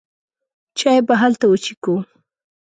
چای به هلته وڅېښو.